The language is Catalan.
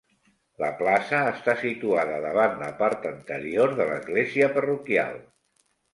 La plaça està situada davant la part anterior de l'església parroquial.